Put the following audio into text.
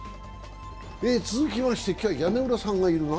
続きまして、今日は屋根裏さんがいるな。